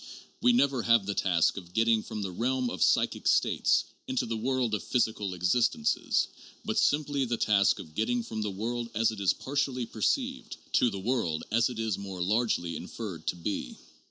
We never have the task of getting from the realm of "psychic states" into the world of physical existences, but simply the task of getting from the world as it is partially perceived to the world as it is more largely inferred to be.